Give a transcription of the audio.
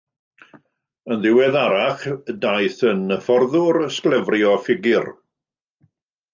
Yn ddiweddarach, daeth yn hyfforddwr sglefrio ffigur.